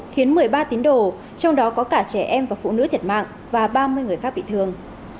khiến một mươi ba tín đồ trong đó có cả trẻ em và phụ nữ thiệt mạng và ba mươi người khác bị thương